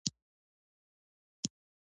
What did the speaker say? افغانستان د ابريښم پر لار پروت دی.